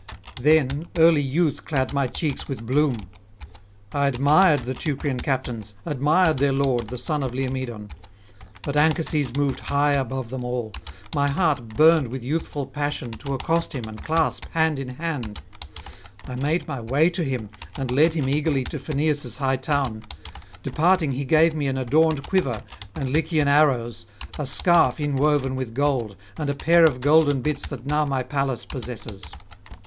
Then early youth clad my cheeks with bloom. I admired the Teucrian captains, admired their lord, the son of Laomedon; but Anchises moved high above them all. My heart burned with youthful passion to accost him and clasp hand in hand; I made my way to him, and led him eagerly to Pheneus' high town. Departing he gave me an adorned quiver and Lycian arrows, a scarf inwoven with gold, and a pair of golden bits that now my Pallas possesses.